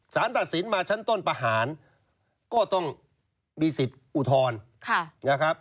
สารตัดสินมาชั้นต้นประหารก็ต้องมีสิทธิ์อุทธรณ์นะครับ